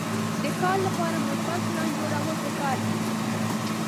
د کار لپاره مثبت پلان جوړول پکار دي.